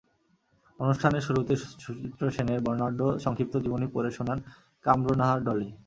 অনুষ্ঠানের শুরুতে সুচিত্রা সেনের বর্ণাঢ্য সংক্ষিপ্ত জীবনী পড়ে শোনান কামরুন্নাহার ডলি।